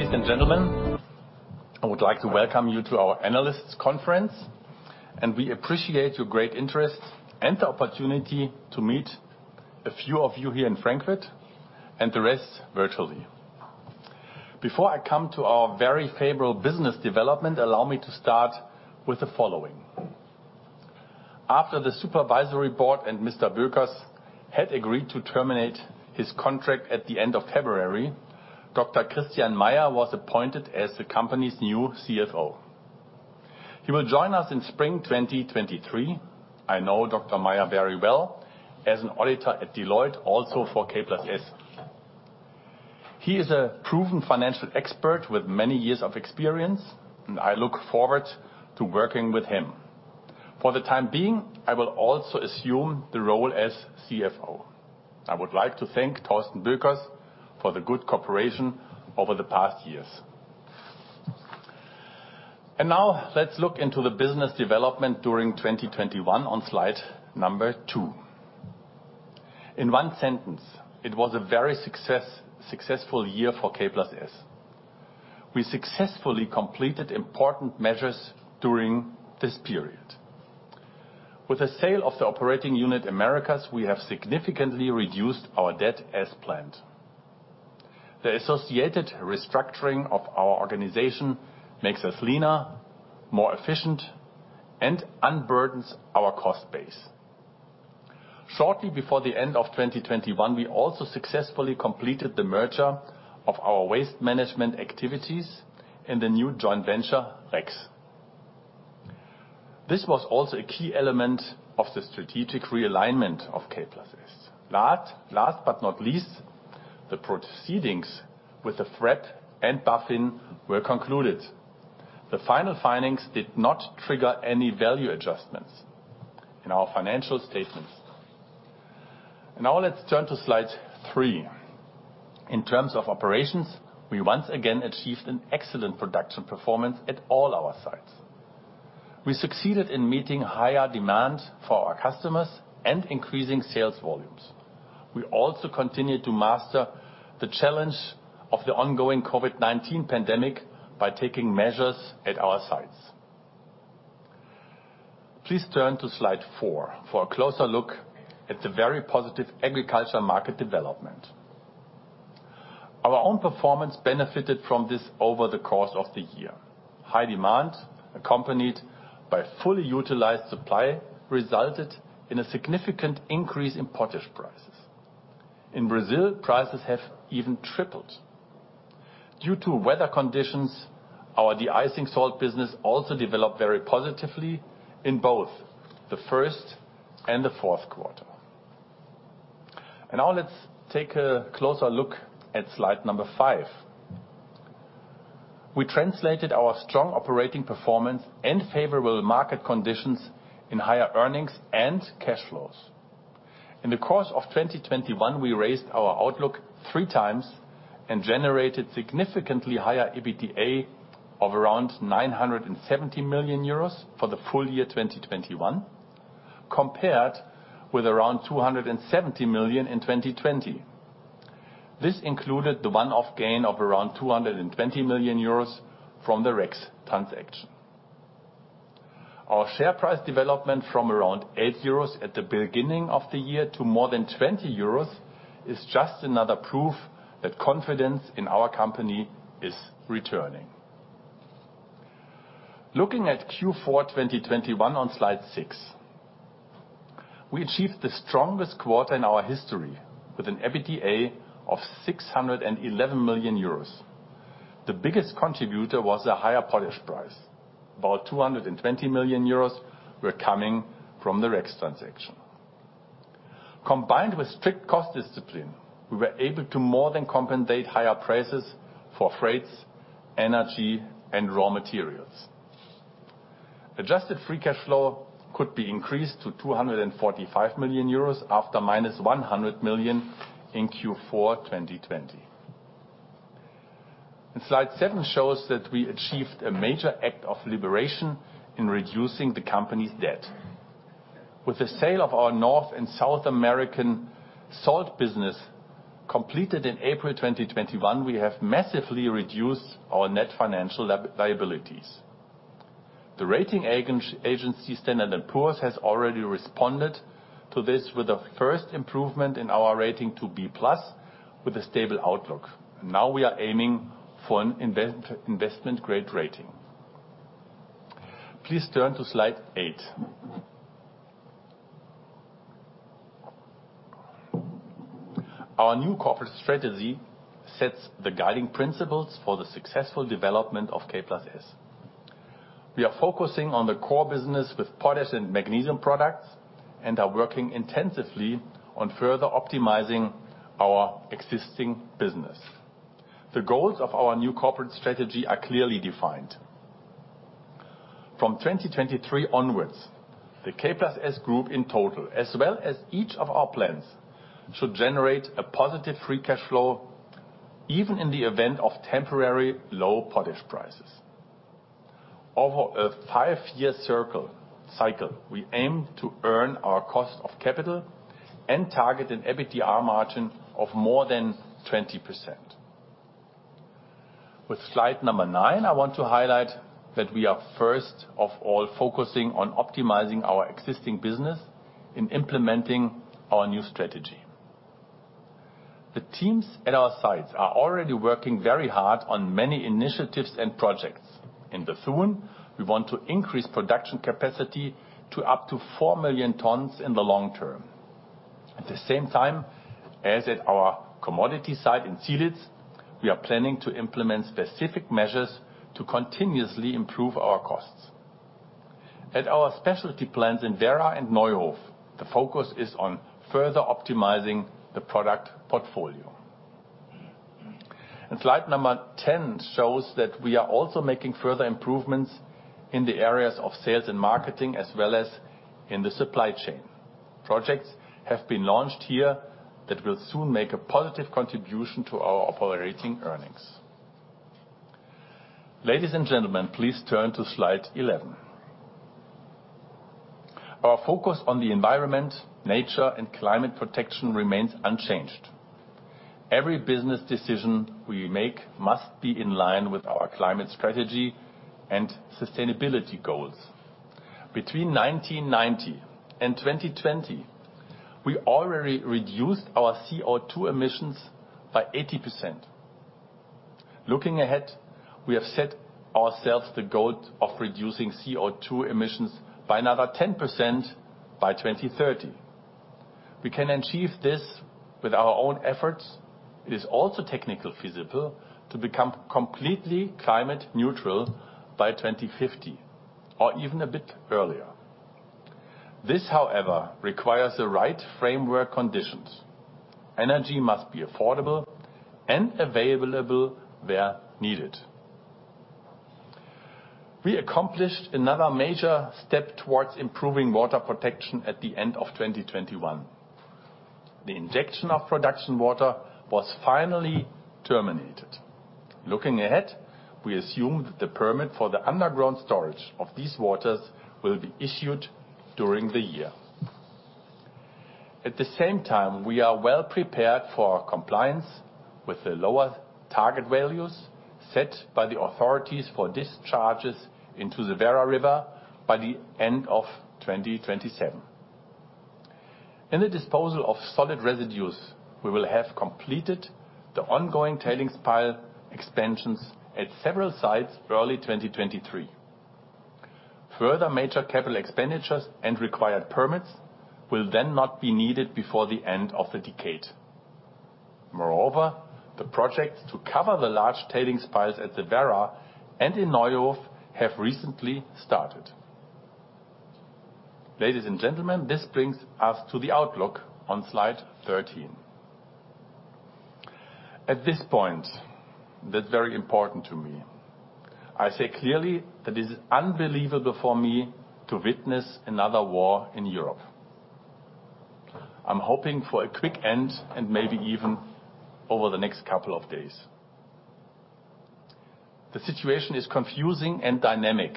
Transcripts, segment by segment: Ladies and gentlemen, I would like to welcome you to our analysts conference, and we appreciate your great interest and the opportunity to meet a few of you here in Frankfurt and the rest virtually. Before I come to our very favorable business development, allow me to start with the following. After the Supervisory Board and Mr. Boeckers had agreed to terminate his contract at the end of February, Dr. Christian H. Meyer was appointed as the company's new CFO. He will join us in spring 2023. I know Dr. Christian H. Meyer very well as an auditor at Deloitte, also for K+S. He is a proven financial expert with many years of experience, and I look forward to working with him. For the time being, I will also assume the role as CFO. I would like to thank Thorsten Boeckers for the good cooperation over the past years. Now let's look into the business development during 2021 on slide two. In one sentence, it was a very successful year for K+S. We successfully completed important measures during this period. With the sale of the operating unit Americas, we have significantly reduced our debt as planned. The associated restructuring of our organization makes us leaner, more efficient, and unburdens our cost base. Shortly before the end of 2021, we also successfully completed the merger of our waste management activities in the new joint venture, REX. This was also a key element of the strategic realignment of K+S. Last but not least, the proceedings with the Treuhand and BaFin were concluded. The final findings did not trigger any value adjustments in our financial statements. Now let's turn to slide three. In terms of operations, we once again achieved an excellent production performance at all our sites. We succeeded in meeting higher demand for our customers and increasing sales volumes. We also continued to master the challenge of the ongoing COVID-19 pandemic by taking measures at our sites. Please turn to slide four for a closer look at the very positive agriculture market development. Our own performance benefited from this over the course of the year. High demand accompanied by fully utilized supply resulted in a significant increase in potash prices. In Brazil, prices have even tripled. Due to weather conditions, our de-icing salt business also developed very positively in both the first and the fourth quarter. Now let's take a closer look at slide number five. We translated our strong operating performance and favorable market conditions into higher earnings and cash flows. In the course of 2021, we raised our outlook three times and generated significantly higher EBITDA of around 970 million euros for the full year 2021, compared with around 270 million in 2020. This included the one-off gain of around 220 million euros from the REKS transaction. Our share price development from around 8 euros at the beginning of the year to more than 20 euros is just another proof that confidence in our company is returning. Looking at Q4 2021 on slide six, we achieved the strongest quarter in our history with an EBITDA of 611 million euros. The biggest contributor was the higher potash price. About 220 million euros were coming from the REKS transaction. Combined with strict cost discipline, we were able to more than compensate higher prices for freights, energy, and raw materials. Adjusted free cash flow could be increased to 245 million euros after -100 million in Q4 2020. Slide seven shows that we achieved a major act of deleveraging in reducing the company's debt. With the sale of our North and South American salt business completed in April 2021, we have massively reduced our net financial liabilities. The rating agency Standard & Poor's has already responded to this with the first improvement in our rating to B+ with a stable outlook. Now we are aiming for an investment-grade rating. Please turn to slide eight. Our new corporate strategy sets the guiding principles for the successful development of K+S. We are focusing on the core business with potash and magnesium products and are working intensively on further optimizing our existing business. The goals of our new corporate strategy are clearly defined. From 2023 onwards, the K+S group in total, as well as each of our plants, should generate a positive free cash flow even in the event of temporary low potash prices. Over a five-year cycle, we aim to earn our cost of capital and target an EBITDA margin of more than 20%. With slide nine, I want to highlight that we are first of all focusing on optimizing our existing business in implementing our new strategy. The teams at our sites are already working very hard on many initiatives and projects. In Bethune, we want to increase production capacity to up to 4 million tons in the long term. At the same time, as at our commodity site in Zielitz, we are planning to implement specific measures to continuously improve our costs. At our specialty plants in Werra and Neuhof, the focus is on further optimizing the product portfolio. Slide 10 shows that we are also making further improvements in the areas of sales and marketing, as well as in the supply chain. Projects have been launched here that will soon make a positive contribution to our operating earnings. Ladies and gentlemen, please turn to slide 11. Our focus on the environment, nature, and climate protection remains unchanged. Every business decision we make must be in line with our climate strategy and sustainability goals. Between 1990 and 2020, we already reduced our CO2 emissions by 80%. Looking ahead, we have set ourselves the goal of reducing CO2 emissions by another 10% by 2030. We can achieve this with our own efforts. It is also technically feasible to become completely climate neutral by 2050 or even a bit earlier. This, however, requires the right framework conditions. Energy must be affordable and available where needed. We accomplished another major step towards improving water protection at the end of 2021. The injection of production water was finally terminated. Looking ahead, we assume that the permit for the underground storage of these waters will be issued during the year. At the same time, we are well prepared for compliance with the lower target values set by the authorities for discharges into the Werra River by the end of 2027. In the disposal of solid residues, we will have completed the ongoing tailings pile expansions at several sites early 2023. Further major capital expenditures and required permits will then not be needed before the end of the decade. Moreover, the projects to cover the large tailings piles at the Werra and in Neuhof have recently started. Ladies and gentlemen, this brings us to the outlook on slide 13. At this point, that's very important to me. I say clearly that it is unbelievable for me to witness another war in Europe. I'm hoping for a quick end and maybe even over the next couple of days. The situation is confusing and dynamic.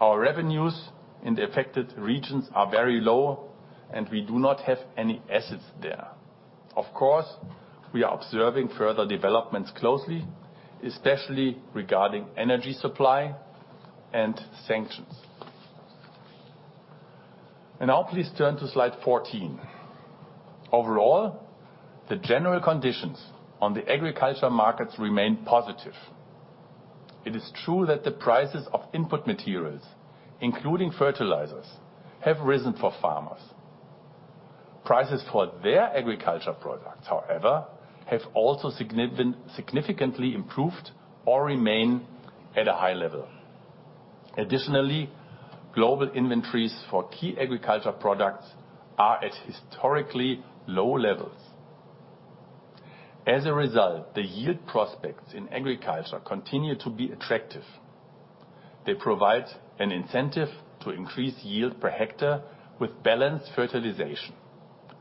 Our revenues in the affected regions are very low, and we do not have any assets there. Of course, we are observing further developments closely, especially regarding energy supply and sanctions. Now please turn to slide 14. Overall, the general conditions on the agriculture markets remain positive. It is true that the prices of input materials, including fertilizers, have risen for farmers. Prices for their agriculture products, however, have also significantly improved or remain at a high level. Additionally, global inventories for key agriculture products are at historically low levels. As a result, the yield prospects in agriculture continue to be attractive. They provide an incentive to increase yield per hectare with balanced fertilization.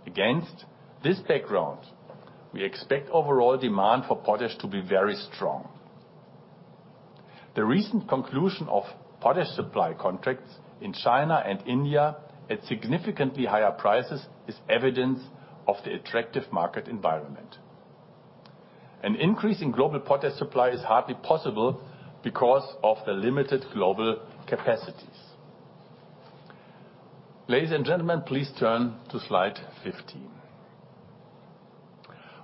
Against this background, we expect overall demand for potash to be very strong. The recent conclusion of potash supply contracts in China and India at significantly higher prices is evidence of the attractive market environment. An increase in global potash supply is hardly possible because of the limited global capacities. Ladies and gentlemen, please turn to slide 15.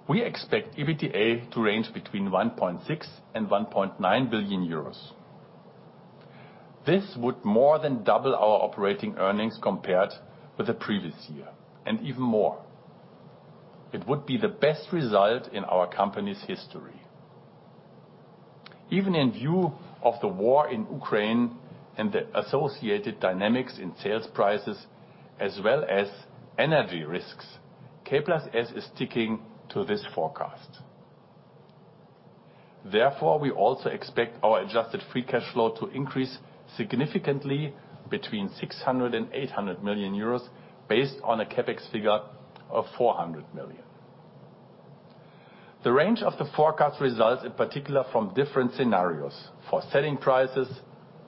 We expect EBITDA to range between 1.6 billion and 1.9 billion euros. This would more than double our operating earnings compared with the previous year, and even more. It would be the best result in our company's history. Even in view of the war in Ukraine and the associated dynamics in sales prices as well as energy risks, K+S is sticking to this forecast. Therefore, we also expect our adjusted free cash flow to increase significantly between 600 million euros and 800 million euros based on a CapEx figure of 400 million. The range of the forecast results, in particular, from different scenarios for selling prices,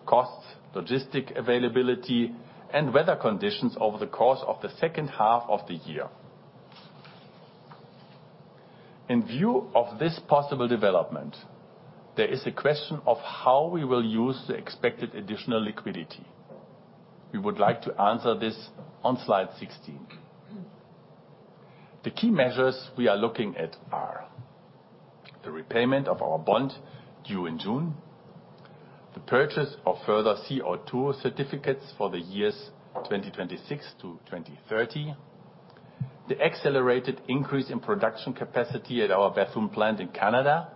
costs, logistics availability, and weather conditions over the course of the second half of the year. In view of this possible development, there is a question of how we will use the expected additional liquidity. We would like to answer this on slide 16. The key measures we are looking at are the repayment of our bond due in June, the purchase of further CO2 certificates for the years 2026 to 2030, the accelerated increase in production capacity at our Bethune plant in Canada,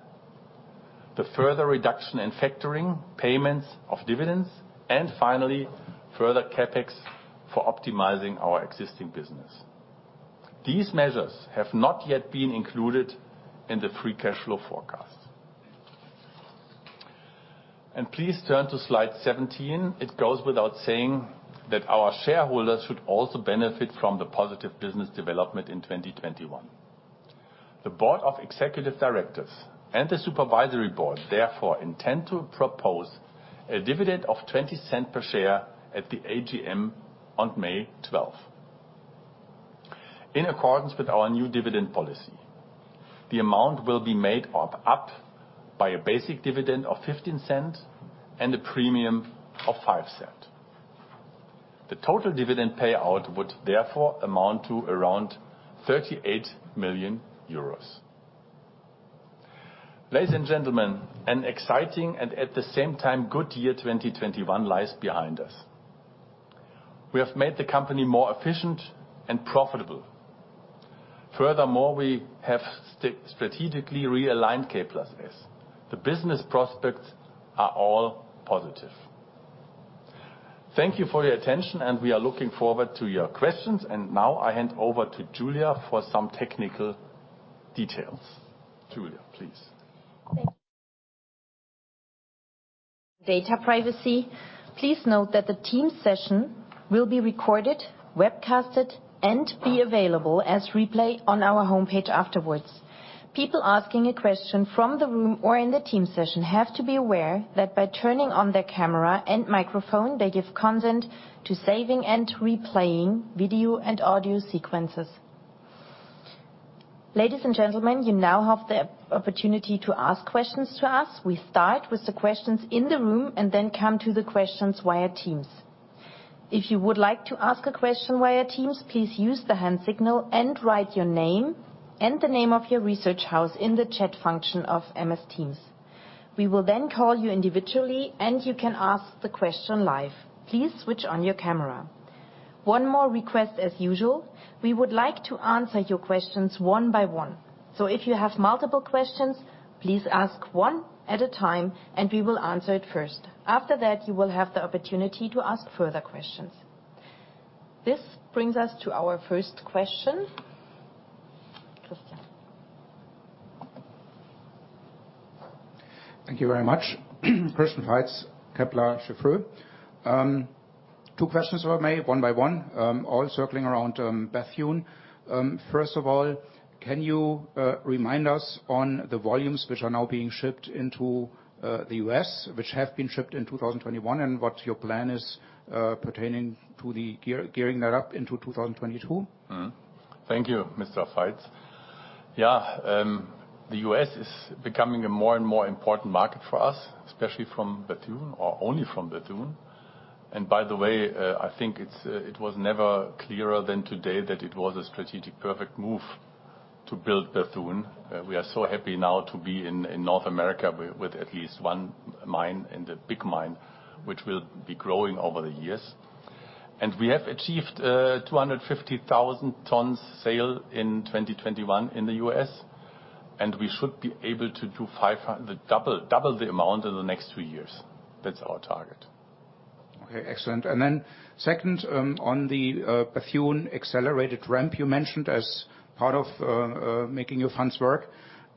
the further reduction in factoring payments of dividends, and finally, further CapEx for optimizing our existing business. These measures have not yet been included in the free cash flow forecast. Please turn to slide 17. It goes without saying that our shareholders should also benefit from the positive business development in 2021. The Board of Executive Directors and the Supervisory Board, therefore, intend to propose a dividend of 0.20 per share at the AGM on May 12. In accordance with our new dividend policy, the amount will be made up by a basic dividend of 0.15 and a premium of 0.05. The total dividend payout would therefore amount to around 38 million euros. Ladies and gentlemen, an exciting and at the same time good year 2021 lies behind us. We have made the company more efficient and profitable. Furthermore, we have strategically realigned K+S. The business prospects are all positive. Thank you for your attention, and we are looking forward to your questions. Now, I hand over to Julia for some technical details. Julia, please. Thanks. Data privacy. Please note that the MS Teams session will be recorded, webcasted, and be available as replay on our homepage afterwards. People asking a question from the room or in the MS Teams session have to be aware that by turning on their camera and microphone, they give consent to saving and replaying video and audio sequences. Ladies and gentlemen, you now have the opportunity to ask questions to us. We start with the questions in the room and then come to the questions via MS Teams. If you would like to ask a question via MS Teams, please use the hand signal and write your name and the name of your research house in the chat function of MS Teams. We will then call you individually, and you can ask the question live. Please switch on your camera. One more request as usual, we would like to answer your questions one by one. If you have multiple questions, please ask one at a time, and we will answer it first. After that, you will have the opportunity to ask further questions. This brings us to our first question. Christian. Thank you very much. Christian Faitz, Kepler Cheuvreux. Two questions if I may, one by one, all circling around Bethune. First of all, can you remind us on the volumes which are now being shipped into the U.S., which have been shipped in 2021 and what your plan is pertaining to the gearing that up into 2022? Thank you, Mr. Faitz. Yeah, the U.S. is becoming a more and more important market for us, especially from Bethune or only from Bethune. By the way, I think it was never clearer than today that it was a strategically perfect move to build Bethune. We are so happy now to be in North America with at least one mine and a big mine, which will be growing over the years. We have achieved 250,000 tons sale in 2021 in the U.S., and we should be able to double the amount in the next three years. That's our target. Okay, excellent. Second, on the Bethune accelerated ramp you mentioned as part of making your funds work,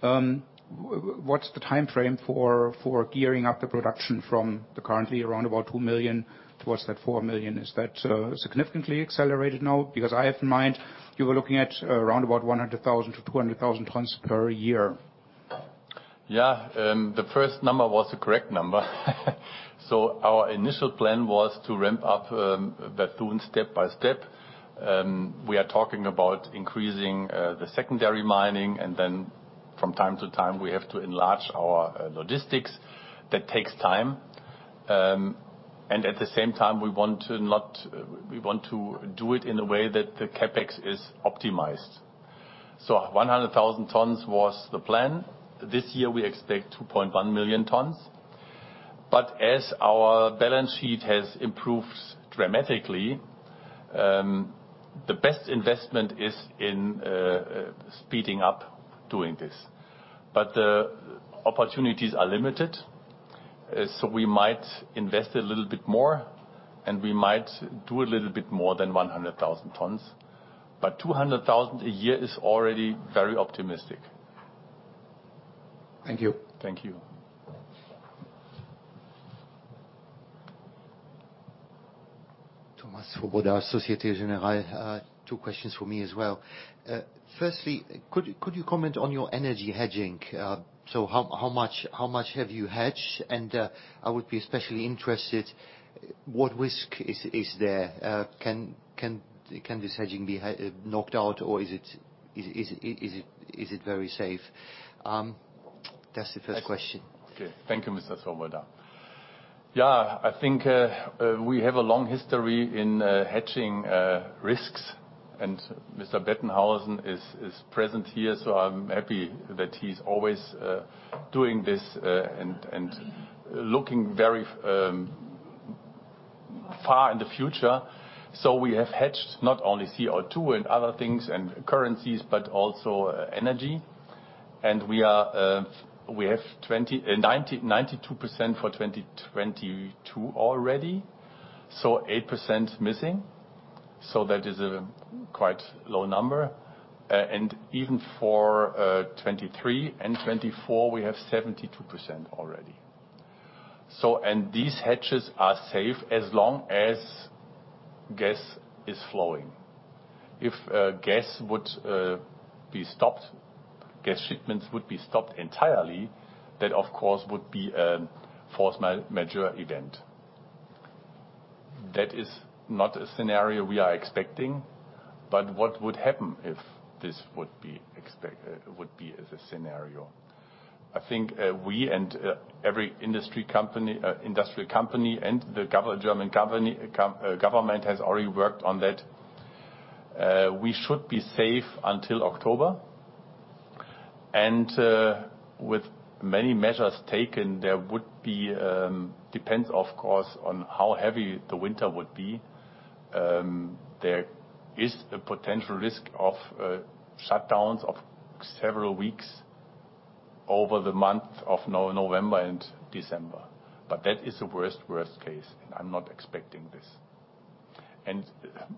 what's the timeframe for gearing up the production from the currently around about 2 million towards that 4 million? Is that significantly accelerated now? Because I have in mind you were looking at around about 100,000-200,000 tons per year. Yeah, the first number was the correct number. Our initial plan was to ramp up Bethune step by step. We are talking about increasing the secondary mining, and then from time to time, we have to enlarge our logistics. That takes time. At the same time, we want to do it in a way that the CapEx is optimized. 100,000 tons was the plan. This year, we expect 2.1 million tons. As our balance sheet has improved dramatically, the best investment is in speeding up doing this. The opportunities are limited, so we might invest a little bit more, and we might do a little bit more than 100,000 tons. 200,000 a year is already very optimistic. Thank you. Thank you. Mr. Swoboda, Société Générale. Two questions from me as well. First, could you comment on your energy hedging? So how much have you hedged? I would be especially interested what risk is there. Can this hedging be knocked out, or is it very safe? That's the first question. Thank you, Mr. Swoboda. Yeah, I think we have a long history in hedging risks. Mr. Bettenhausen is present here, so I'm happy that he's always doing this and looking very far in the future. We have hedged not only CO2 and other things and currencies, but also energy. We have 92% for 2022 already, so 8% missing. That is a quite low number. Even for 2023 and 2024, we have 72% already. These hedges are safe as long as gas is flowing. If gas shipments would be stopped entirely, that, of course, would be a force majeure event. That is not a scenario we are expecting, but what would happen if this would be the scenario? I think we and every industrial company and the German government has already worked on that. We should be safe until October. With many measures taken, depends of course on how heavy the winter would be, there is a potential risk of shutdowns of several weeks over the month of November and December. That is the worst case, and I'm not expecting this.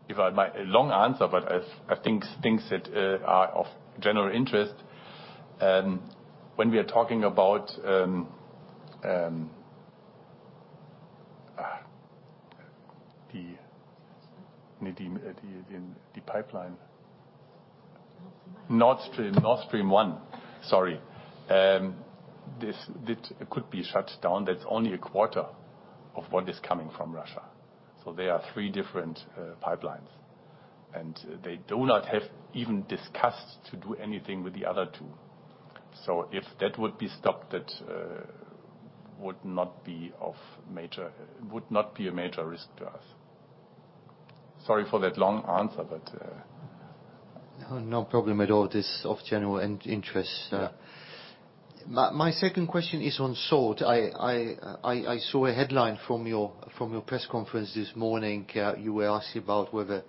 If I might, a long answer, but I think things that are of general interest. When we are talking about the pipeline. Nord Stream, Nord Stream 1, sorry. This could be shut down. That's only a quarter of what is coming from Russia. There are three different pipelines. They haven't even discussed to do anything with the other two. If that would be stopped, that would not be a major risk to us. Sorry for that long answer, but No, no problem at all. This is of general interest. My second question is on salt. I saw a headline from your press conference this morning. You were asked about whether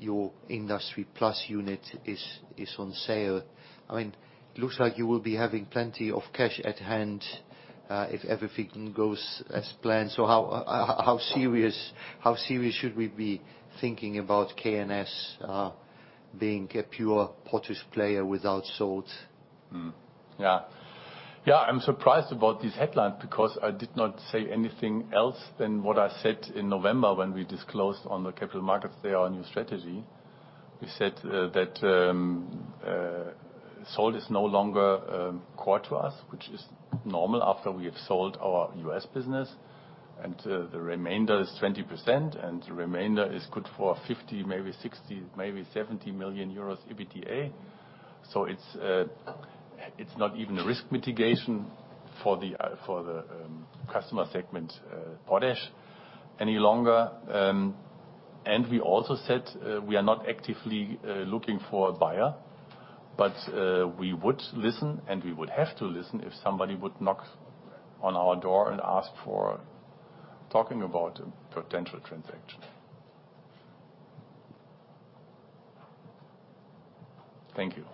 your Industry+ unit is on sale. I mean, looks like you will be having plenty of cash at hand, if everything goes as planned. How serious should we be thinking about K+S being a pure potash player without salt? I'm surprised about this headline because I did not say anything else than what I said in November when we disclosed on the capital markets day our new strategy. We said that salt is no longer core to us, which is normal after we have sold our U.S. business. The remainder is 20%, and the remainder is good for 50 million, maybe 60 million, maybe 70 million euros EBITDA. It's not even a risk mitigation for the customer segment potash any longer. We also said we are not actively looking for a buyer. We would listen, and we would have to listen if somebody would knock on our door and ask for talking about a potential transaction. Thank you.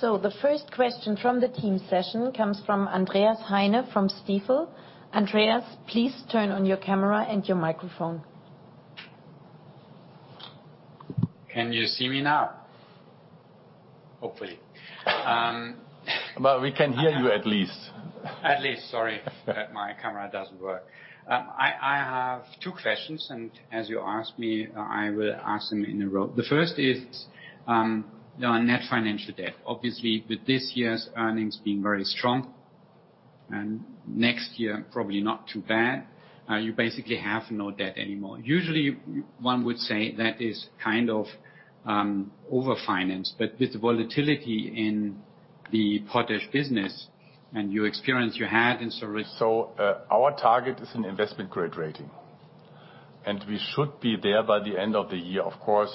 The first question from the team session comes from Andreas Heine from Stifel. Andreas, please turn on your camera and your microphone. Can you see me now? Hopefully. Well, we can hear you at least. My camera doesn't work. I have two questions, and as you ask me, I will ask them in a row. The first is on net financial debt. Obviously, with this year's earnings being very strong, and next year probably not too bad, you basically have no debt anymore. Usually one would say that is kind of over-financed. With the volatility in the potash business and your experience you had. Our target is an investment-grade rating. We should be there by the end of the year. Of course,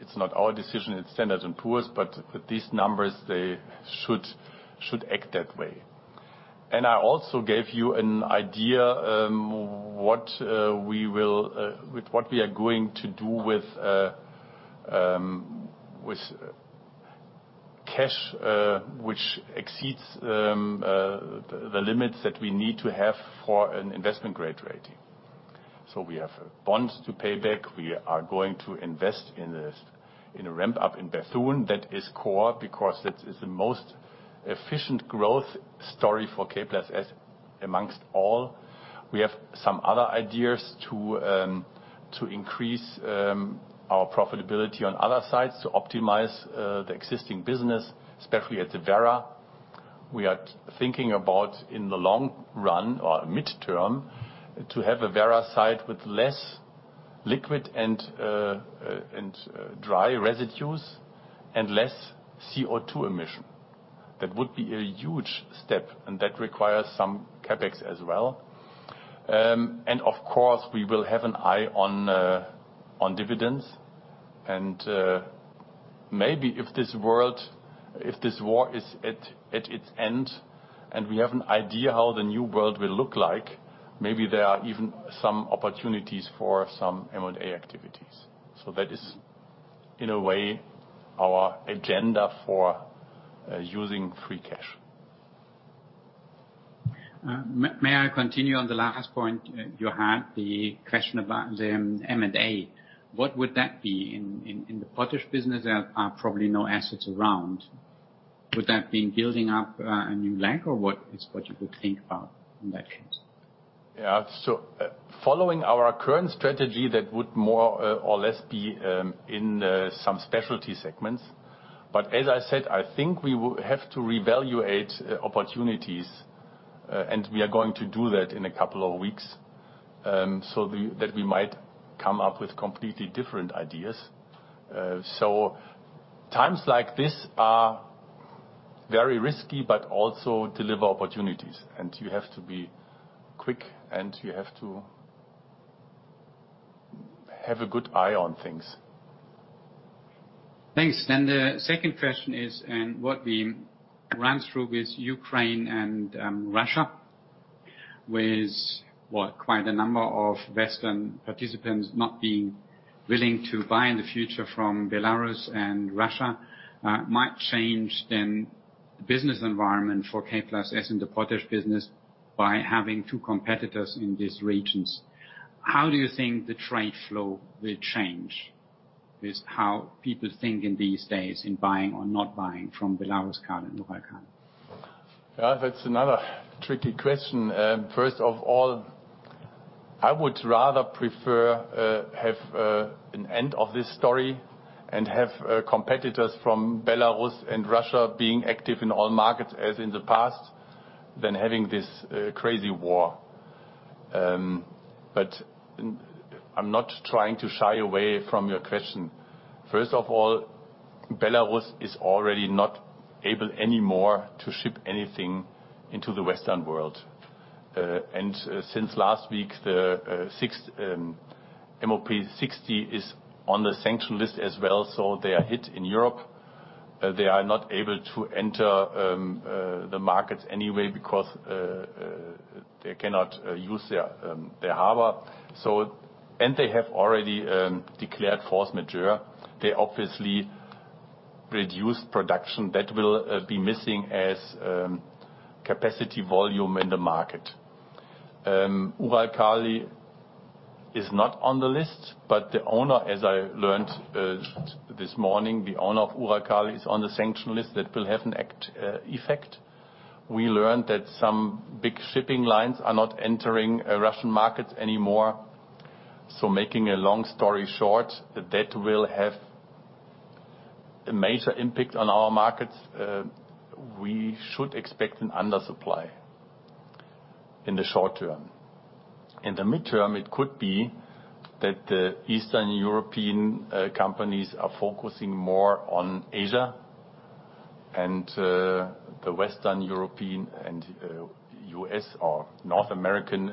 it's not our decision, it's Standard & Poor's, but these numbers they should act that way. I also gave you an idea of what we are going to do with cash which exceeds the limits that we need to have for an investment-grade rating. We have bonds to pay back. We are going to invest in the expansion ramp up in Bethune, that is core because that is the most efficient growth story for K+S amongst all. We have some other ideas to increase our profitability on other sites, to optimize the existing business, especially at the Werra. We are thinking about in the long run or midterm to have a Werra site with less liquid and dry residues and less CO2 emission. That would be a huge step, and that requires some CapEx as well. Of course, we will have an eye on dividends. Maybe if this war is at its end and we have an idea how the new world will look like, maybe there are even some opportunities for some M&A activities. That is in a way our agenda for using free cash. May I continue on the last point, Burkhard Lohr, the question about the M&A. What would that be? In the potash business, there are probably no assets around. Would that be in building up a new plant or what you would think about in that case? Following our current strategy, that would more or less be in some specialty segments. As I said, I think we will have to reevaluate opportunities. We are going to do that in a couple of weeks, that we might come up with completely different ideas. Times like this are very risky, but also deliver opportunities. You have to be quick, and you have to have a good eye on things. Thanks. The second question is what we ran through with Ukraine and Russia, with quite a number of Western participants not being willing to buy in the future from Belarus and Russia, might change then the business environment for K+S in the potash business by having two competitors in these regions. How do you think the trade flow will change with how people think in these days in buying or not buying from Belarus, Canada, Uralkali? Yeah, that's another tricky question. First of all, I would rather prefer to have an end of this story and have competitors from Belarus and Russia being active in all markets as in the past than having this crazy war. I'm not trying to shy away from your question. First of all, Belarus is already not able anymore to ship anything into the Western world. Since last week, the MOP 60 is on the sanction list as well, so they are hit in Europe. They are not able to enter the market anyway because they cannot use their harbor. They have already declared force majeure. They obviously reduced production that will be missing as capacity volume in the market. Uralkali is not on the list, but the owner, as I learned this morning, the owner of Uralkali is on the sanctions list. That will have an effect. We learned that some big shipping lines are not entering a Russian market anymore. Making a long story short, that will have a major impact on our markets. We should expect an undersupply in the short term. In the midterm, it could be that the Eastern European companies are focusing more on Asia and the Western European and U.S. or North American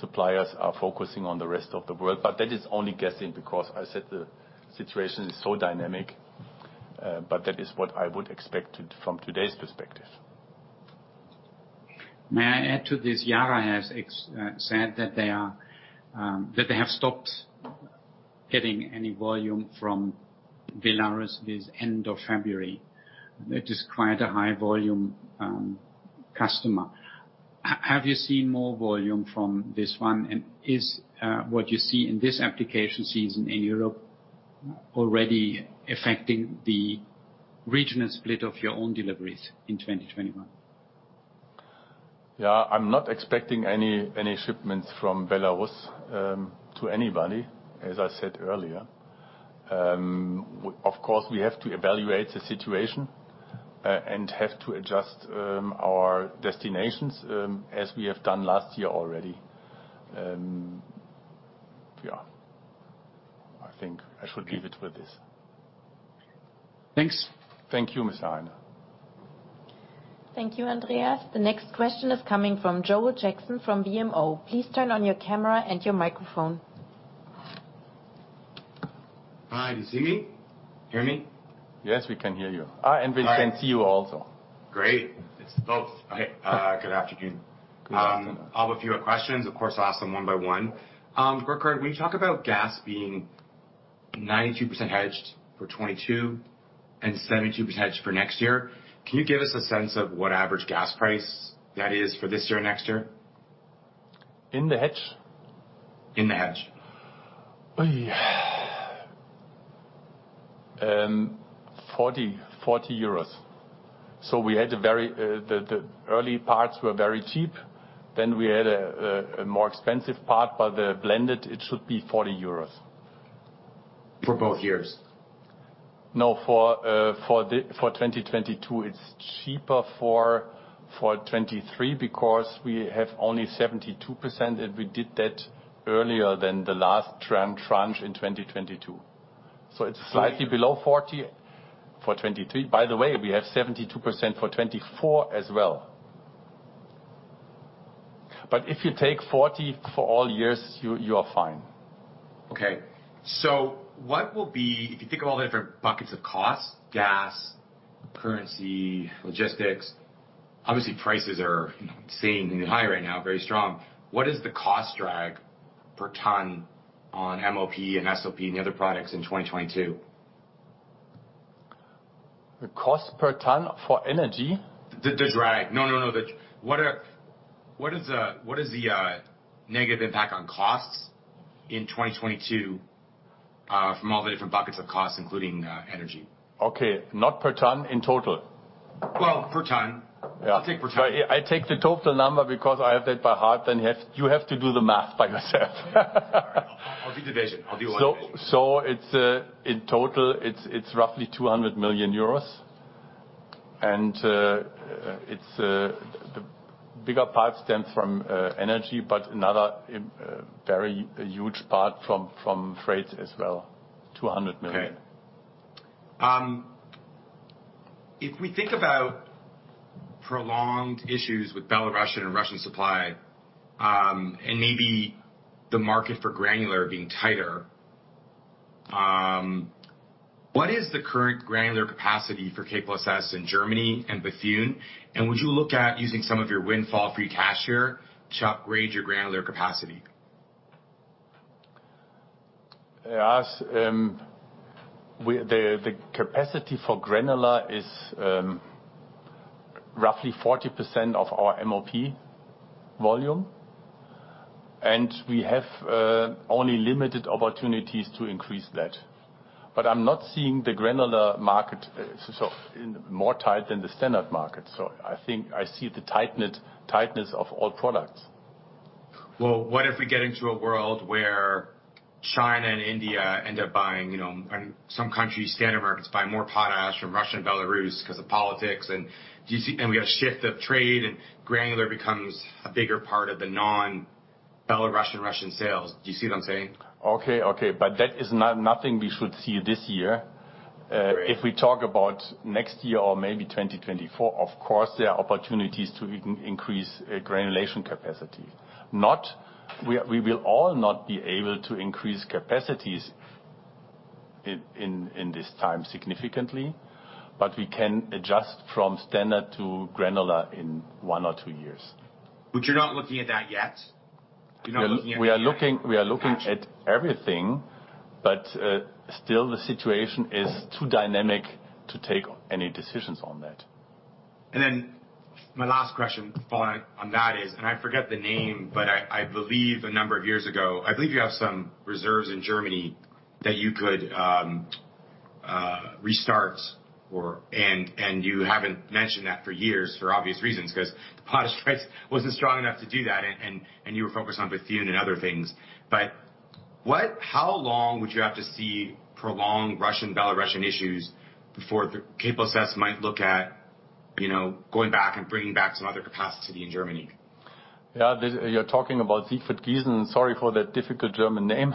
suppliers are focusing on the rest of the world. That is only guessing because I said the situation is so dynamic, but that is what I would expect it from today's perspective. May I add to this? Yara has said that they have stopped getting any volume from Belarus at the end of February. That is quite a high volume customer. Have you seen more volume from this one? Is what you see in this application season in Europe already affecting the regional split of your own deliveries in 2021? Yeah. I'm not expecting any shipments from Belarus to anybody, as I said earlier. Of course, we have to evaluate the situation and have to adjust our destinations, as we have done last year already. Yeah. I think I should leave it with this. Thanks. Thank you, Mr. Heine. Thank you, Andreas. The next question is coming from Joel Jackson from BMO. Please turn on your camera and your microphone. Hi. Do you see me? Hear me? Yes, we can hear you. We can see you also. Great. It's both. Okay. Good afternoon. Good afternoon. I have a few questions. Of course, I'll ask them one by one. Burkhard Lohr, when you talk about gas being 92% hedged for 2022 and 72% hedged for next year, can you give us a sense of what average gas price that is for this year and next year? In the hedge? In the hedge. EUR 40. We had the early parts were very cheap. We had a more expensive part, but the blended, it should be 40 euros. For both years? No, for 2022. It's cheaper for 2023 because we have only 72%, and we did that earlier than the last tranche in 2022. It's slightly below 40 for 2023. By the way, we have 72% for 2024 as well. If you take 40 for all years, you are fine. Okay. If you think of all the different buckets of costs, gas, currency, logistics, obviously prices are, you know, insanely high right now, very strong. What is the cost drag per ton on MOP and SOP and the other products in 2022? The cost per ton for energy? What is the negative impact on costs in 2022 from all the different buckets of costs including energy? Okay, not per ton, in total? Well, per ton. Yeah. I'll take per ton. I take the total number because I have that by heart, then you have to do the math by yourself. Sorry. I'll do division. I'll do one division. It's in total roughly EUR 200 million. It's the bigger part stems from energy, but another very huge part from freight as well, 200 million. Okay. If we think about prolonged issues with Belarusian and Russian supply, and maybe the market for granular being tighter, what is the current granular capacity for K+S in Germany and Bethune? Would you look at using some of your windfall-free cash here to upgrade your granular capacity? Yes. The capacity for granular is roughly 40% of our MOP volume, and we have only limited opportunities to increase that. I'm not seeing the granular market, so it's no more tight than the standard market. I think I see the tightness of all products. Well, what if we get into a world where China and India end up buying, you know, and some countries, standard markets, buy more potash from Russia and Belarus because of politics, and do you see, and we have shift of trade, and granular becomes a bigger part of the non-Belarusian-Russian sales. Do you see what I'm saying? Okay. That is nothing we should see this year. Right. If we talk about next year or maybe 2024, of course, there are opportunities to increase granulation capacity. We will all not be able to increase capacities in this time significantly, but we can adjust from standard to granular in one or two years. You're not looking at that yet? We are looking at everything, but still the situation is too dynamic to take any decisions on that. My last question following on that is, I forget the name, but I believe a number of years ago, I believe you have some reserves in Germany that you could restart. You haven't mentioned that for years for obvious reasons, 'cause the potash price wasn't strong enough to do that, and you were focused on Bethune and other things. How long would you have to see prolonged Russian, Belarusian issues before K+S might look at, you know, going back and bringing back some other capacity in Germany? Yeah. You're talking about Siegfried-Giesen. Sorry for that difficult German name.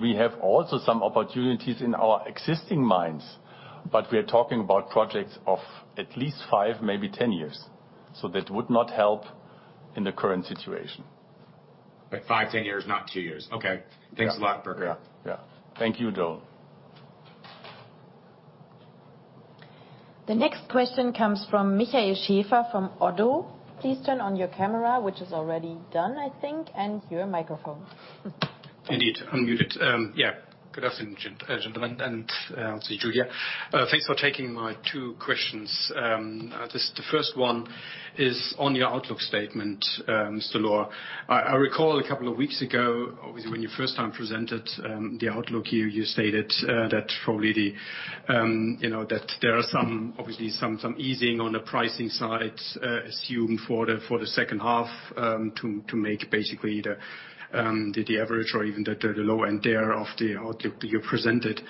We have also some opportunities in our existing mines, but we are talking about projects of at least five, maybe 10 years. That would not help in the current situation. Like 5, 10 years, not 2 years. Okay. Yeah. Thanks a lot, Burkhard Lohr. Yeah. Thank you, Joel. The next question comes from Michael Schaefer from Oddo. Please turn on your camera, which is already done, I think, and your microphone. Indeed, unmuted. Yeah. Good afternoon, gentlemen, and also Julia. Thanks for taking my two questions. This, the first one is on your outlook statement, Mr. Lohr. I recall a couple of weeks ago, obviously, when you first time presented, the outlook here, you stated, that probably the, you know, that there are some, obviously some easing on the pricing side, assumed for the, for the second half, to make basically the average or even the low end there of the outlook that you presented.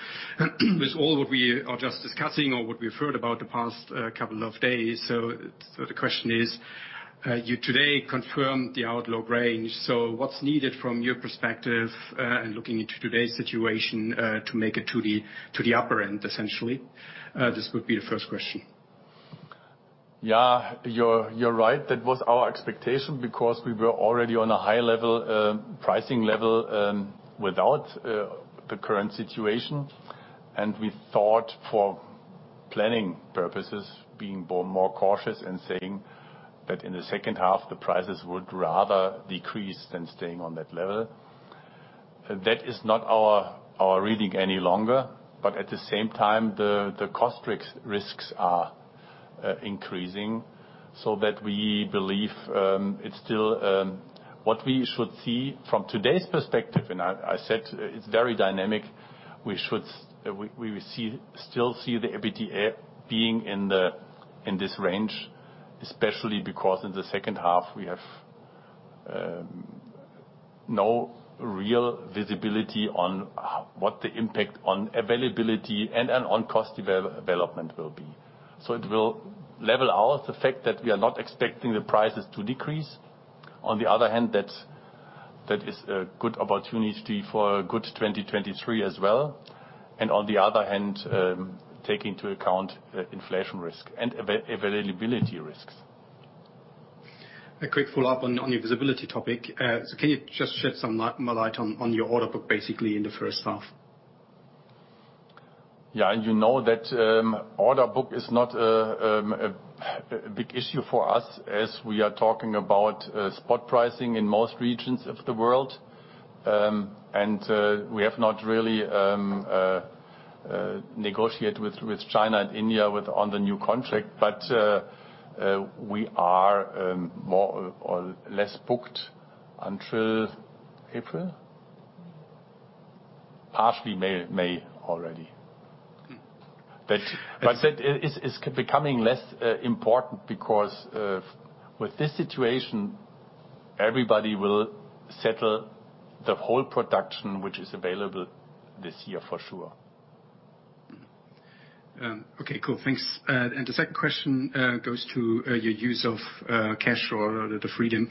With all what we are just discussing or what we've heard about the past, couple of days, so the question is, you today confirmed the outlook range. What's needed from your perspective, and looking into today's situation, to make it to the upper end, essentially? This would be the first question. Yeah. You're right. That was our expectation because we were already on a high level pricing level without the current situation. We thought for planning purposes, being more cautious and saying that in the second half, the prices would rather decrease than staying on that level. That is not our reading any longer, but at the same time, the cost risks are increasing, so that we believe it's still what we should see from today's perspective, and I said it's very dynamic, we still see the EBITDA being in this range, especially because in the second half, we have no real visibility on what the impact on availability and on cost development will be. So it will level out the fact that we are not expecting the prices to decrease. On the other hand, that is a good opportunity for a good 2023 as well, and on the other hand, take into account inflation risk and availability risks. A quick follow-up on your visibility topic. Can you just shed some more light on your order book basically in the first half? Yeah. You know that order book is not a big issue for us as we are talking about spot pricing in most regions of the world. We have not really negotiate with China and India on the new contract. We are more or less booked until April? Partly May already. That is becoming less important because, with this situation, everybody will settle the whole production which is available this year for sure. Okay. Cool. Thanks. The second question goes to your use of cash or the freedom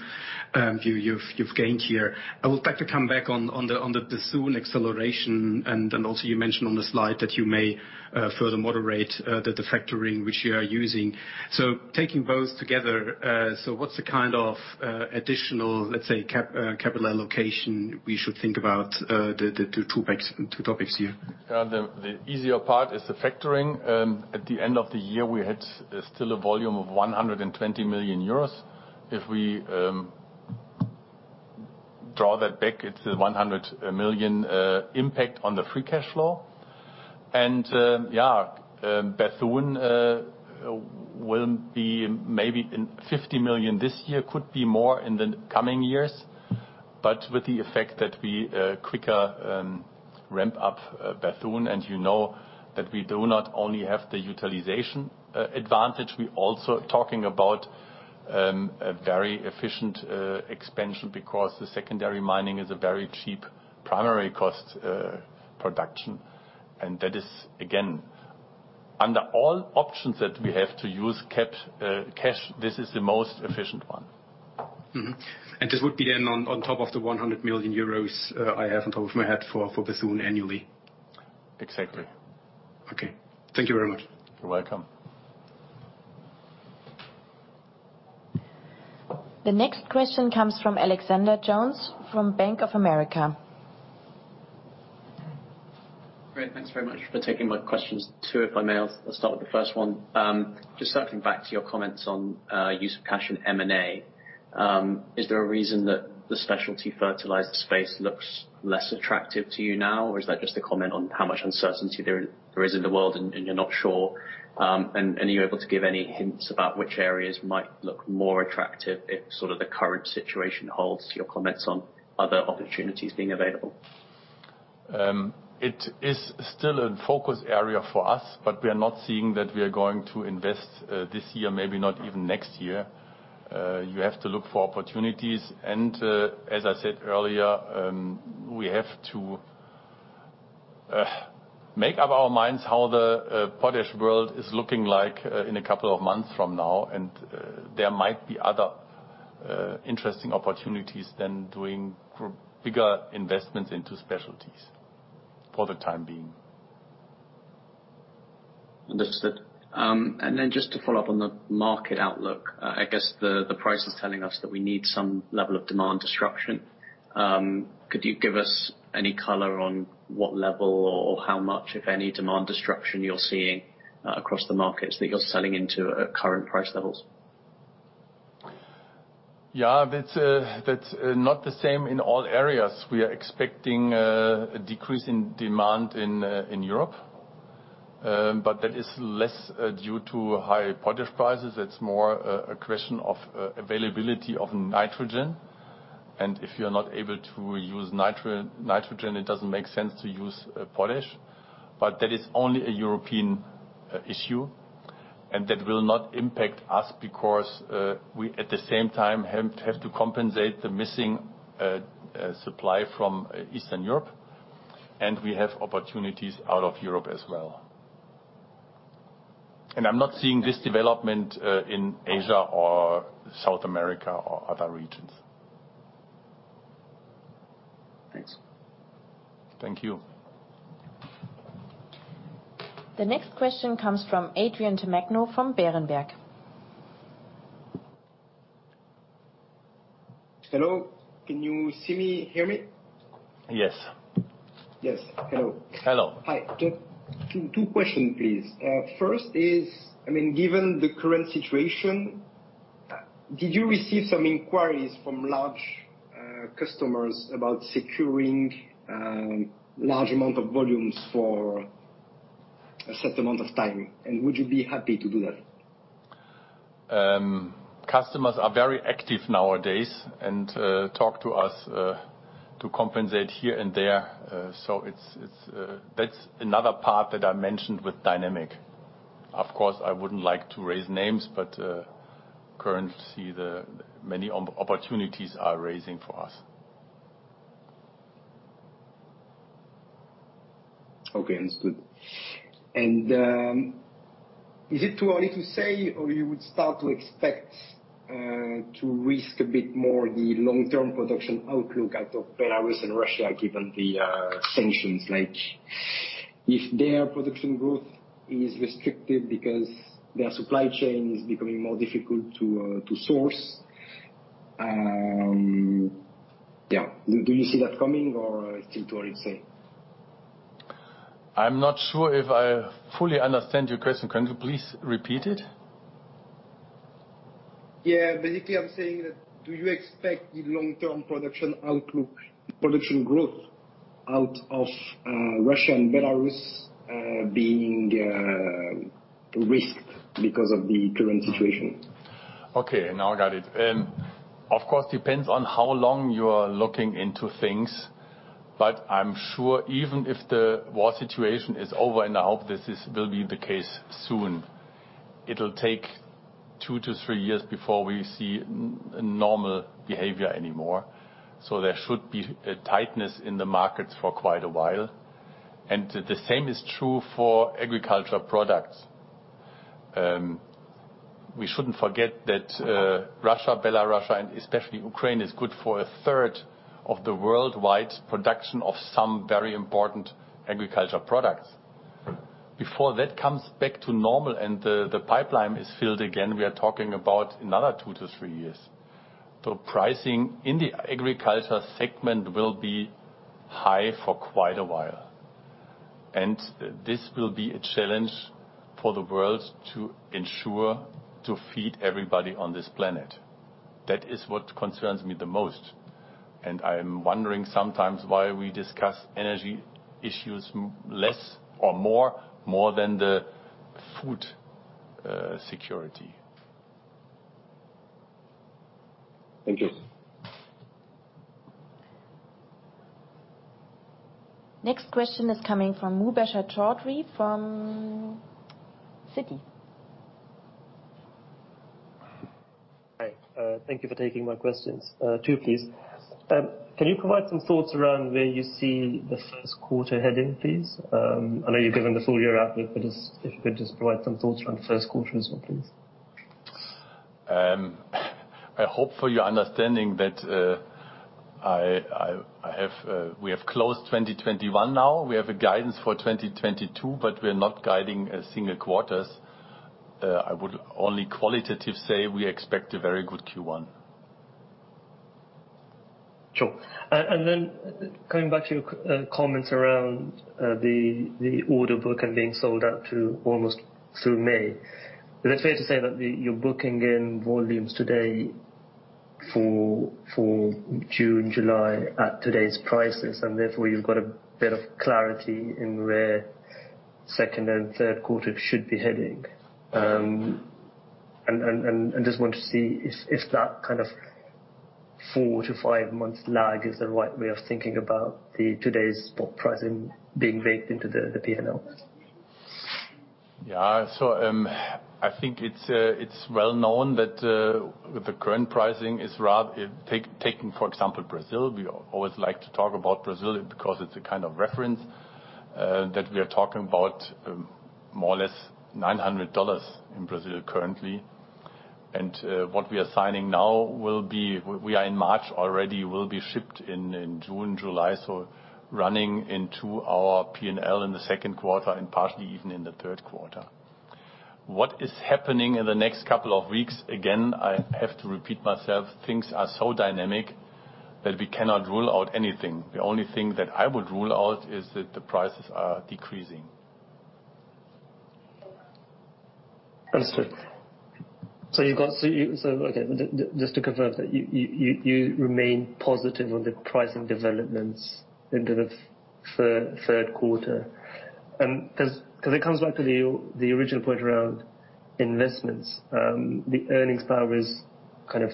you've gained here. I would like to come back on the Bethune acceleration and also you mentioned on the slide that you may further moderate the factoring which you are using. Taking both together, what's the kind of additional, let's say, capital allocation we should think about, the two topics here? Yeah. The easier part is the factoring. At the end of the year, we had still a volume of 120 million euros. If we draw that back, it's a 100 million impact on the free cash flow. Bethune will be maybe in 50 million this year. Could be more in the coming years, but with the effect that we quicker ramp up Bethune. You know that we do not only have the utilization advantage, we're also talking about a very efficient expansion because the secondary mining is a very cheap primary cost production. That is again, under all options that we have to use cash, this is the most efficient one. This would be then on top of the 100 million euros, off the top of my head for Bethune annually? Exactly. Okay. Thank you very much. You're welcome. The next question comes from Alexander Jones from Bank of America. Great. Thanks very much for taking my questions. Two, if I may. I'll start with the first one. Just circling back to your comments on use of cash in M&A. Is there a reason that the specialty fertilizer space looks less attractive to you now, or is that just a comment on how much uncertainty there is in the world and you're not sure? And are you able to give any hints about which areas might look more attractive if sort of the current situation holds, your comments on other opportunities being available? It is still a focus area for us, but we are not seeing that we are going to invest this year, maybe not even next year. You have to look for opportunities, and as I said earlier, we have to make up our minds how the potash world is looking like in a couple of months from now. There might be other interesting opportunities than doing bigger investments into specialties for the time being. Understood. Just to follow up on the market outlook, I guess the price is telling us that we need some level of demand disruption. Could you give us any color on what level or how much, if any, demand disruption you're seeing across the markets that you're selling into at current price levels? Yeah. That's not the same in all areas. We are expecting a decrease in demand in Europe, but that is less due to high potash prices. It's more a question of availability of nitrogen. If you're not able to use nitrogen, it doesn't make sense to use potash. That is only a European issue, and that will not impact us because we, at the same time, have to compensate the missing supply from Eastern Europe, and we have opportunities out of Europe as well. I'm not seeing this development in Asia or South America or other regions. Thanks. Thank you. The next question comes from Adrian de Marco from Berenberg. Hello. Can you see me, hear me? Yes. Yes. Hello. Hello. Hi. Two questions, please. First is, I mean, given the current situation. Did you receive some inquiries from large customers about securing large amount of volumes for a set amount of time, and would you be happy to do that? Customers are very active nowadays and talk to us to compensate here and there. It's another part that I mentioned with dynamic. Of course, I wouldn't like to raise names, but currently we see many opportunities arising for us. Okay, understood. Is it too early to say or you would start to expect to risk a bit more the long-term production outlook out of Belarus and Russia given the sanctions? Like, if their production growth is restricted because their supply chain is becoming more difficult to source. Yeah, do you see that coming or it's still too early to say? I'm not sure if I fully understand your question. Can you please repeat it? Yeah. Basically, I'm saying that, do you expect the long-term production outlook, production growth out of, Russia and Belarus, being, risked because of the current situation? Okay, now I got it. Of course, depends on how long you are looking into things, but I'm sure even if the war situation is over, and I hope this will be the case soon, it'll take 2-3 years before we see normal behavior anymore. There should be a tightness in the markets for quite a while. The same is true for agricultural products. We shouldn't forget that Russia, Belarus, and especially Ukraine, is good for 1/3 of the worldwide production of some very important agricultural products. Before that comes back to normal and the pipeline is filled again, we are talking about another 2-3 years. Pricing in the agriculture segment will be high for quite a while, and this will be a challenge for the world to ensure to feed everybody on this planet. That is what concerns me the most, and I am wondering sometimes why we discuss energy issues less or more than the food security. Thank you. Next question is coming from Mubasher Chaudhry from Citi. Hi, thank you for taking my questions. Two, please. Can you provide some thoughts around where you see the first quarter heading, please? I know you've given the full year outlook, but if you could provide some thoughts around the first quarter as well, please. I hope for your understanding that we have closed 2021 now. We have a guidance for 2022, but we're not guiding single quarters. I would only qualitatively say we expect a very good Q1. Sure. Then coming back to your comments around the order book and being sold out almost through May. Is it fair to say that you're booking in volumes today for June, July at today's prices, and therefore you've got a bit of clarity in where second and third quarter should be heading? I just want to see if that kind of four to five months lag is the right way of thinking about today's spot pricing being baked into the P&L. Yeah. I think it's well known that with the current pricing, take for example, Brazil. We always like to talk about Brazil because it's a kind of reference that we are talking about more or less $900 in Brazil currently. What we are signing now will be shipped in June, July, we are in March already, so running into our P&L in the second quarter and partially even in the third quarter. What is happening in the next couple of weeks, again, I have to repeat myself, things are so dynamic that we cannot rule out anything. The only thing that I would rule out is that the prices are decreasing. Understood. Okay. Just to confirm that you remain positive on the pricing developments into the third quarter, 'cause it comes back to the original point around investments. The earnings power is kind of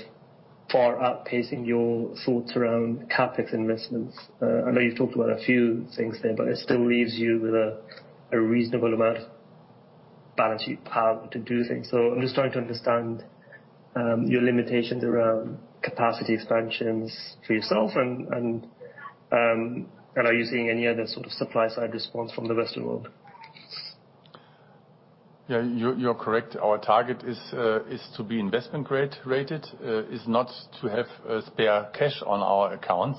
far outpacing your thoughts around CapEx investments. I know you've talked about a few things there, but it still leaves you with a reasonable amount of balance sheet power to do things. I'm just trying to understand your limitations around capacity expansions for yourself and are you seeing any other sort of supply side response from the rest of the world? Yeah, you're correct. Our target is to be investment-grade rated, is not to have spare cash on our accounts.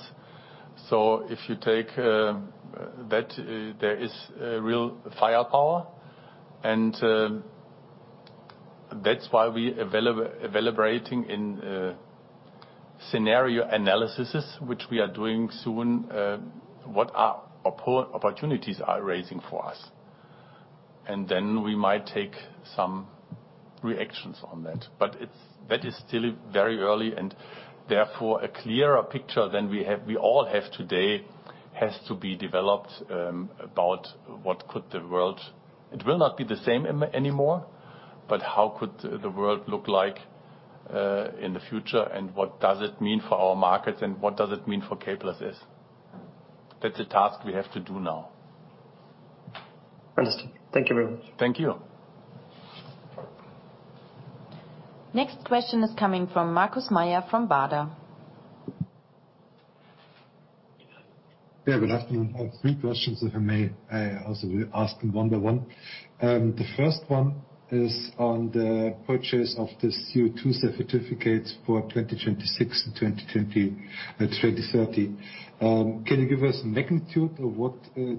If you take that, there is a real firepower, and that's why we are evaluating in scenario analysis, which we are doing soon, what opportunities are arising for us. Then we might take some actions on that. That is still very early and therefore, a clearer picture than we all have today, has to be developed about what could the world. It will not be the same anymore, but how could the world look like in the future, and what does it mean for our markets, and what does it mean for K+S? That's a task we have to do now. Understood. Thank you very much. Thank you. Next question is coming from Markus Mayer from Baader. Yeah, good afternoon. I have three questions, if I may. I also will ask them one by one. The first one is on the purchase of the CO2 certificates for 2026 and 2030. Can you give us magnitude of what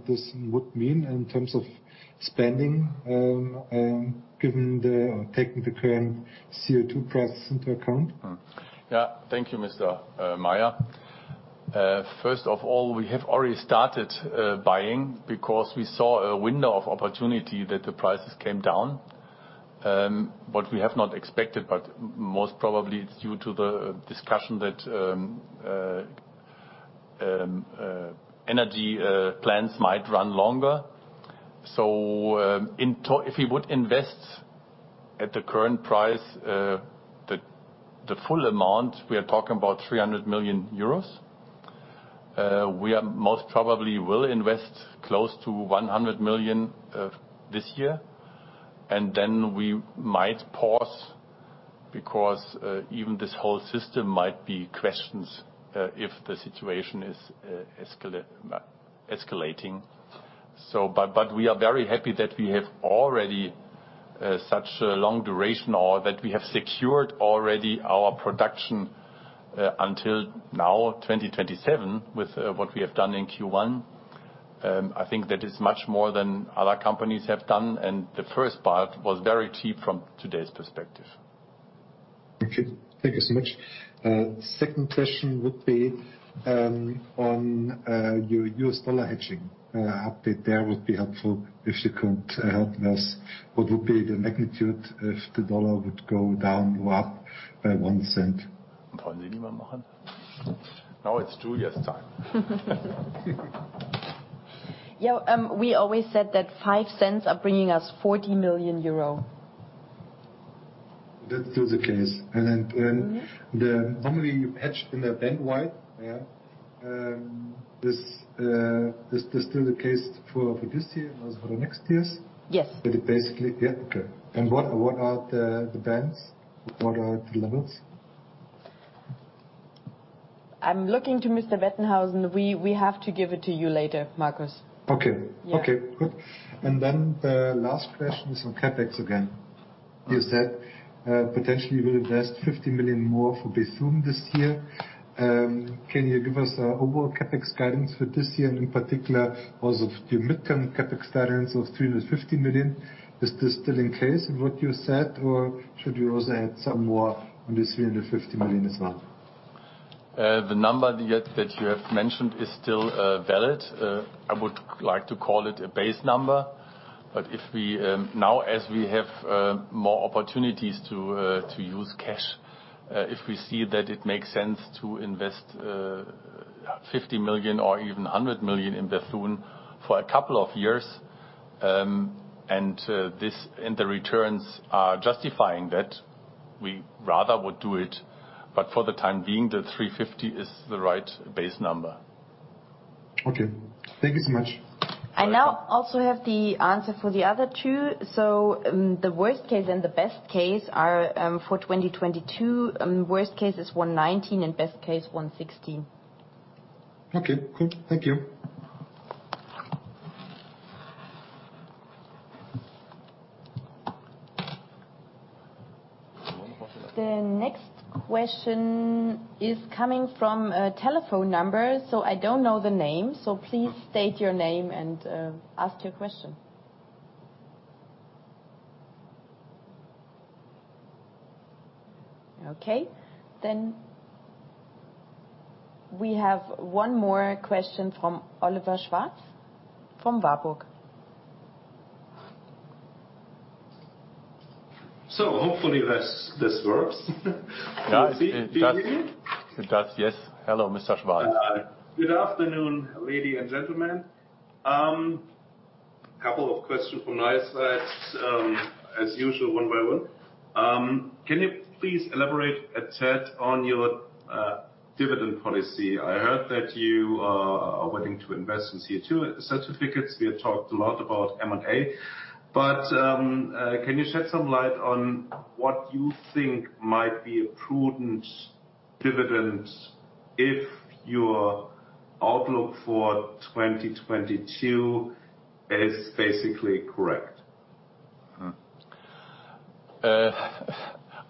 this would mean in terms of spending, given the, or taking the current CO2 price into account? Yeah. Thank you, Mr. Mayer. First of all, we have already started buying because we saw a window of opportunity that the prices came down. What we have not expected, but most probably it's due to the discussion that energy plants might run longer. If you would invest at the current price, the full amount, we are talking about 300 million euros. We are most probably will invest close to 100 million this year, and then we might pause because even this whole system might be in question if the situation is escalating. We are very happy that we have already such a long duration or that we have secured already our production until now, 2027, with what we have done in Q1. I think that is much more than other companies have done, and the first part was very cheap from today's perspective. Okay. Thank you so much. Second question would be on your U.S. dollar hedging. Update there would be helpful if you could help us. What would be the magnitude if the dollar would go down or up by $0.01? Now it's Julia's time. Yeah, we always said that $0.05 are bringing us 40 million euro. That's still the case. Mm-hmm. Normally you hedge in a band wide. Yeah. Is this still the case for this year and also for the next years? Yes. It basically. Yeah, okay. What are the bands? What are the levels? I'm looking to Mr. Bettenhausen. We have to give it to you later, Markus. Okay. Yeah. Okay, good. The last question is on CapEx again. Yeah. You said, potentially you will invest 50 million more for Bethune this year. Can you give us a overall CapEx guidance for this year, and in particular, also for the midterm CapEx guidance of 350 million? Is this still in case of what you said, or should you also add some more on this 350 million as well? The number that you have mentioned is still valid. I would like to call it a base number. If we now, as we have more opportunities to use cash, if we see that it makes sense to invest 50 million or even 100 million in Bethune for a couple of years, and the returns are justifying that, we rather would do it. For the time being, 350 million is the right base number. Okay. Thank you so much. I now also have the answer for the other two. The worst case and the best case are for 2022, worst case is 119 and best case 116. Okay, cool. Thank you. The next question is coming from a telephone number, so I don't know the name, so please state your name and ask your question. Okay. We have one more question from Oliver Schwarz from Warburg. Hopefully this works. Yeah, it does. Do you hear me? It does, yes. Hello, Mr. Schwarz. Hi. Good afternoon, ladies and gentlemen. Couple of questions from my side, as usual, one by one. Can you please elaborate a tad on your dividend policy? I heard that you are wanting to invest in CO2 certificates. We have talked a lot about M&A. Can you shed some light on what you think might be a prudent dividend if your outlook for 2022 is basically correct?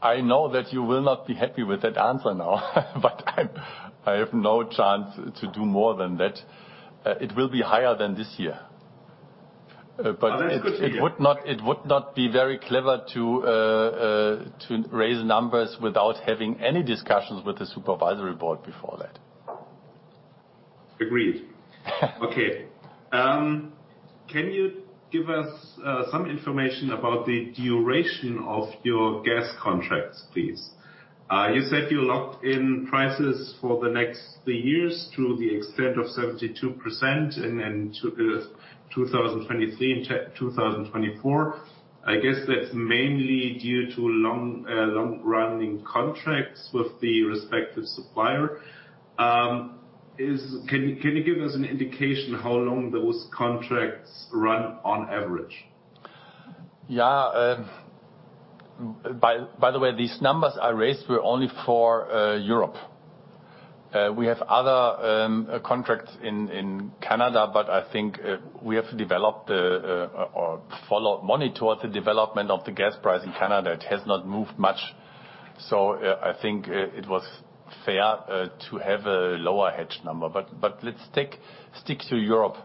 I know that you will not be happy with that answer now, but I have no chance to do more than that. It will be higher than this year. It- Oh, that's good to hear. It would not be very clever to raise numbers without having any discussions with the Supervisory Board before that. Agreed. Okay. Can you give us some information about the duration of your gas contracts, please? You said you locked in prices for the next three years to the extent of 72% and then to 2023 and 2024. I guess that's mainly due to long-running contracts with the respective supplier. Can you give us an indication how long those contracts run on average? By the way, these numbers I raised were only for Europe. We have other contracts in Canada, but I think we have to follow the development of the gas price in Canada. It has not moved much, so I think it was fair to have a lower hedge number. Let's stick to Europe.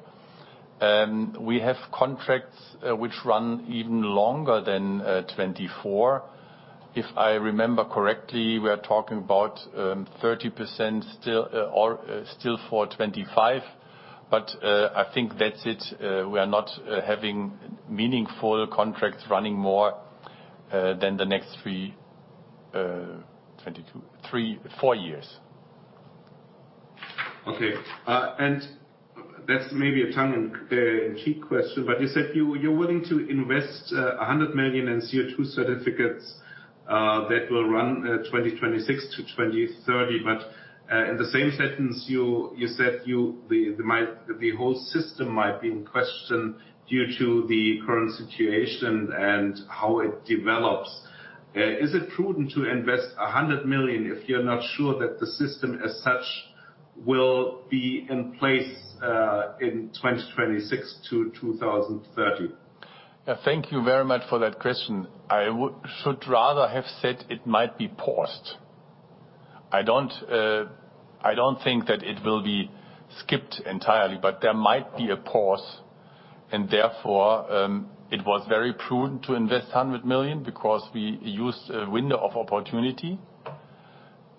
We have contracts which run even longer than 2024. If I remember correctly, we are talking about 30% still or still for 2025, but I think that's it. We are not having meaningful contracts running more than the next three to four years. Okay. And that's maybe a tongue-in-cheek question, but you said you're willing to invest 100 million in CO2 certificates that will run 2026 to 2030. In the same sentence, you said the whole system might be in question due to the current situation and how it develops. Is it prudent to invest 100 million if you're not sure that the system as such will be in place 2026 to 2030? Yeah, thank you very much for that question. I should rather have said it might be paused. I don't think that it will be skipped entirely, but there might be a pause and therefore it was very prudent to invest 100 million because we used a window of opportunity.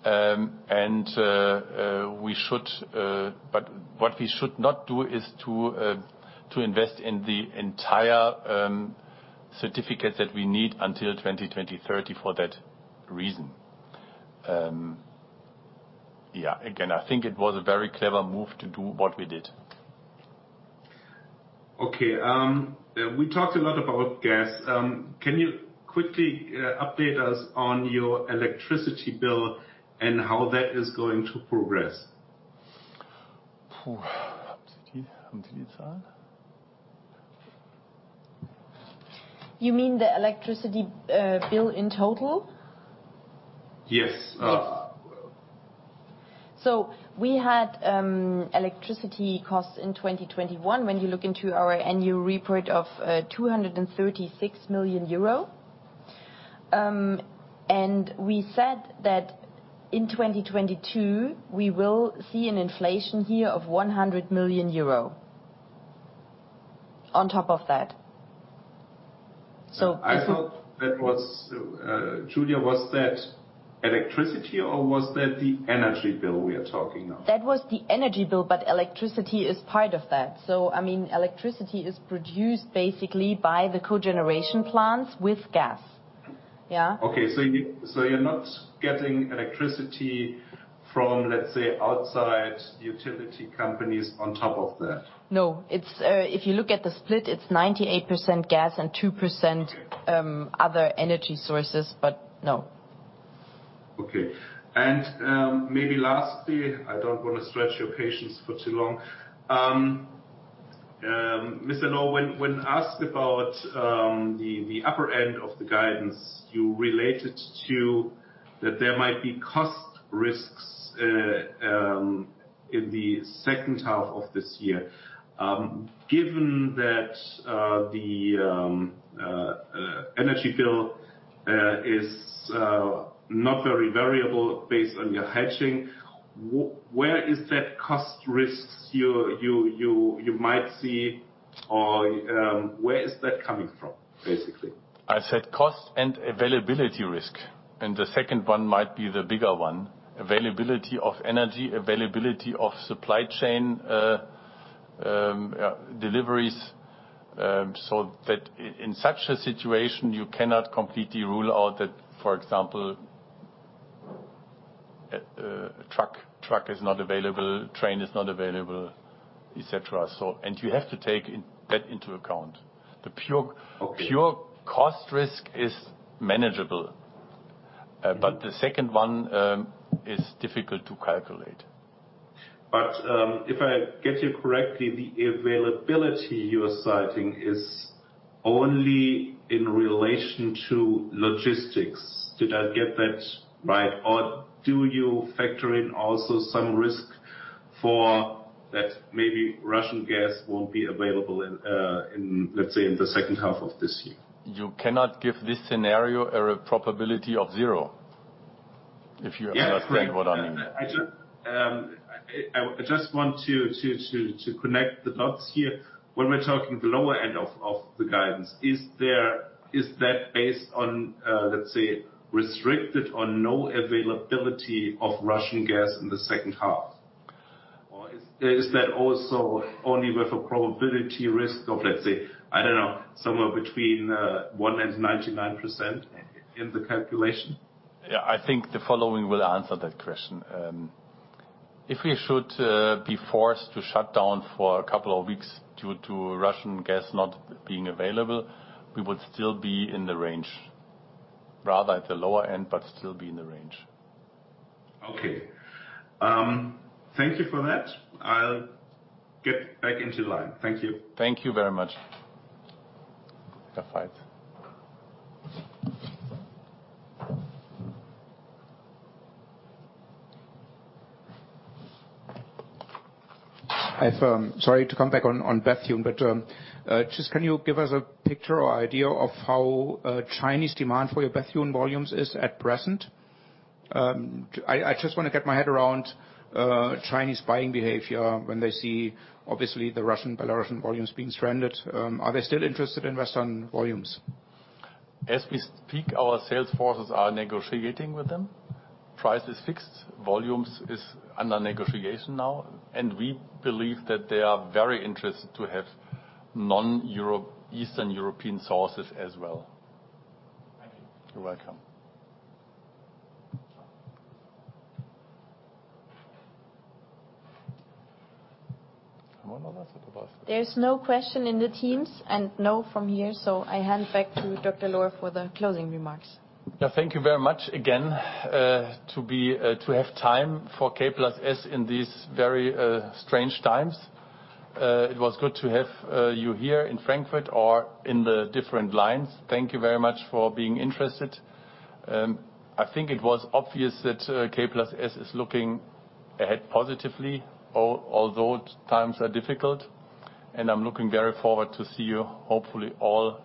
What we should not do is to invest in the entire certificates that we need until 2020, 2030 for that reason. Yeah. Again, I think it was a very clever move to do what we did. Okay. We talked a lot about gas. Can you quickly update us on your electricity bill and how that is going to progress? You mean the electricity bill in total? Yes. Yes. We had electricity costs in 2021 when you look into our annual report of 236 million euro. We said that in 2022, we will see an inflation here of 100 million euro on top of that. I thought that was, Julia, was that electricity or was that the energy bill we are talking now? That was the energy bill, but electricity is part of that. I mean, electricity is produced basically by the cogeneration plants with gas. Yeah. You're not getting electricity from, let's say, outside utility companies on top of that? No. It's, if you look at the split, it's 98% gas and 2%- Okay Other energy sources, but no. Okay. Maybe lastly, I don't wanna stretch your patience for too long. Mr. Lohr, when asked about the upper end of the guidance, you relate it to that there might be cost risks in the second half of this year. Given that the energy bill is not very variable based on your hedging, where is that cost risks you might see or where is that coming from, basically? I said cost and availability risk, and the second one might be the bigger one. Availability of energy, availability of supply chain, deliveries. In such a situation, you cannot completely rule out that, for example, a truck is not available, train is not available, et cetera. You have to take that into account. The pure- Okay pure cost risk is manageable, but the second one is difficult to calculate. If I get you correctly, the availability you're citing is only in relation to logistics. Did I get that right? Or do you factor in also some risk for that maybe Russian gas won't be available in, let's say, the second half of this year? You cannot give this scenario a probability of zero, if you understand what I mean. Yeah. I just want to connect the dots here. When we're talking the lower end of the guidance, is that based on, let's say, restricted or no availability of Russian gas in the second half? Is that also only with a probability risk of, let's say, I don't know, somewhere between 1% and 99% in the calculation? Yeah, I think the following will answer that question. If we should be forced to shut down for a couple of weeks due to Russian gas not being available, we would still be in the range. Rather at the lower end, but still be in the range. Okay. Thank you for that. I'll get back into line. Thank you. Thank you very much. Sorry to come back on Bethune, but just can you give us a picture or idea of how Chinese demand for your Bethune volumes is at present? I just wanna get my head around Chinese buying behavior when they see obviously the Russian, Belarusian volumes being stranded. Are they still interested in Western volumes? As we speak, our sales forces are negotiating with them. Price is fixed. Volumes is under negotiation now, and we believe that they are very interested to have non-European, Eastern European sources as well. Thank you. You're welcome. There is no question in the Teams and none from here, so I hand back to Dr. Lohr for the closing remarks. Yeah, thank you very much again to have time for K+S in these very strange times. It was good to have you here in Frankfurt or in the different lines. Thank you very much for being interested. I think it was obvious that K+S is looking ahead positively, although times are difficult, and I'm looking very forward to see you hopefully all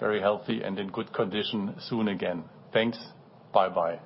very healthy and in good condition soon again. Thanks. Bye-bye.